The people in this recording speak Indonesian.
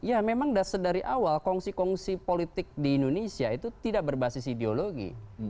ya memang sedari awal kongsi kongsi politik di indonesia itu tidak berbasis ideologi